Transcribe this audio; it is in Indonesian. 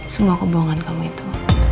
semua kebohongan kamu itu